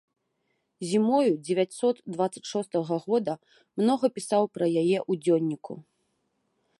Зімою дзевяцьсот дваццаць шостага года многа пісаў пра яе ў дзённіку.